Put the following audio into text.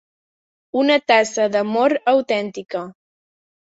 Una tassa d'amor autèntica.